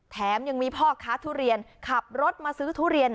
แถมยังมีพ่อค้าทุเรียนขับรถมาซื้อทุเรียน